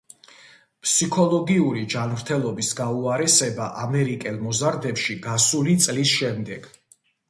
ფსიქოლოგიური ჯანმრთელობის გაუარესება ამერიკელ მოზარდებში გასული წლის შემდეგ.